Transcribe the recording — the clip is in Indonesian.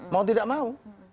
mau tidak mau